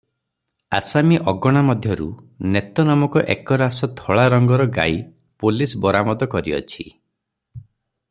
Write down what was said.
ଆସାମୀ ଅଗଣା ମଧ୍ୟରୁ ନେତ ନାମକ ଏକରାସ ଧଳା ରଙ୍ଗର ଗାଈ ପୋଲିସ ବରାମଦ କରିଅଛି ।